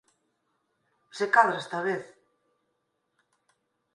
Se cadra esta vez.